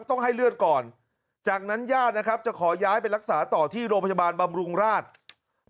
ต้องให้เลือดก่อนจากนั้นญาตินะครับจะขอย้ายไปรักษาต่อที่โรงพยาบาลบำรุงราช